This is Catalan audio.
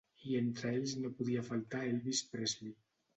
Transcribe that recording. I entre ells no podia faltar Elvis Presley.